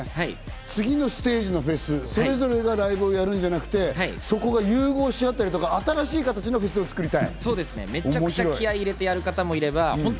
次のステージのフェス、それぞれがライブをやるんじゃなくて、融合しあったり、新しい形のフェスを作りたい。